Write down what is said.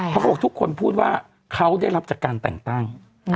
เขาบอกทุกคนพูดว่าเขาได้รับจากการแต่งตั้ง